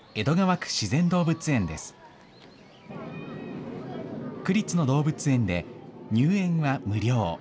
区立の動物園で、入園は無料。